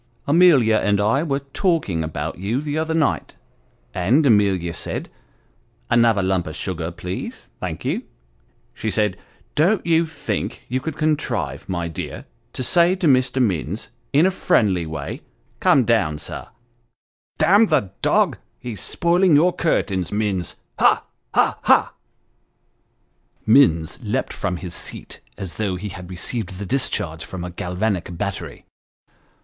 Amelia and I were talking about you the other night, and Amelia said another lump of sugar, please ; thank ye she said, don't you think you could contrive, my dear, to say to Mr. Minns, in a friendly way come down, sir damn the dog ! he's spoiling your curtains, Minns ha ! ha ! ha !" Minns leaped from his seat as though he had received the discharge from a galvanic battery.